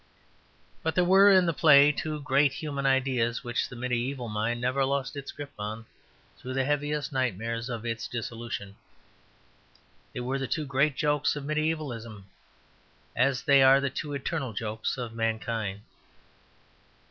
But there were in the play two great human ideas which the mediaeval mind never lost its grip on, through the heaviest nightmares of its dissolution. They were the two great jokes of mediaevalism, as they are the two eternal jokes of mankind.